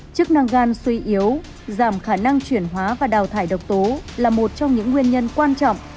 chức năng gan suy yếu giảm khả năng chuyển hóa và đào thải độc tố là một trong những nguyên nhân quan trọng